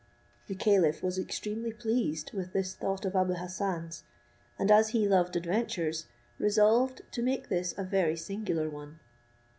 The caliph was extremely pleased with this thought of Abou Hassan's; and as he loved adventures, resolved to make this a very singular one.